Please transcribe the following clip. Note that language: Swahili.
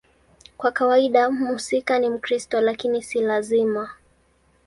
Kwa kawaida mhusika ni Mkristo, lakini si lazima.